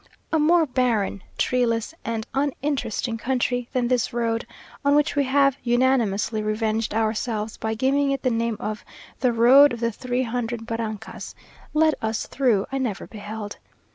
A more barren, treeless, and uninteresting country than this road (on which we have unanimously revenged our selves by giving it the name of "the road of the three hundred barrancas") led us through, I never beheld.